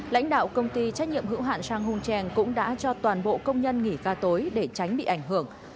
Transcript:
lãnh đạo công ty trách nhiệm hữu hạn sang hung trang cũng đã cho toàn bộ công nhân nghỉ ga tối để tránh bị ảnh hưởng